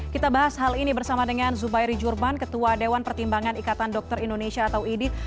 kita bahas hal ini bersama dengan zubairi jurman ketua dewan pertimbangan ikatan dokter indonesia atau idi